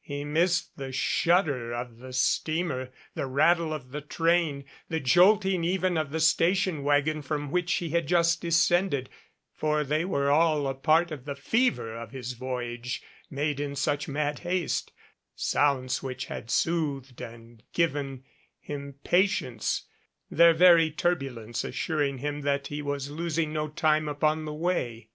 He missed the shudder of the steamer, the rattle of the train, the jolting even of the 330 DUO station wagon from which he had just descended ; for they were all a part of the fever of his voyage made in such mad haste, sounds which had soothed and given him pa tience, their very turbulence assuring him that he was los ing no time upon the way.